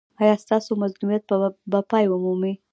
ایا ستاسو مظلومیت به پای ومومي؟